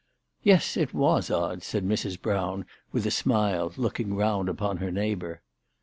" Yes, it was odd," said Mrs. Brown, with a smile looking round upon her neighbour.